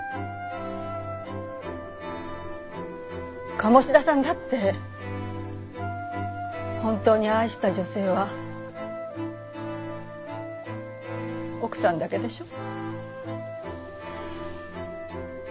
鴨志田さんだって本当に愛した女性は奥さんだけでしょう？